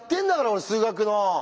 俺数学の。